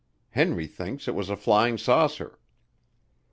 Henry thinks it was a flying saucer."